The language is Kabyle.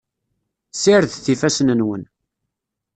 Sirdet ifassen-nwen.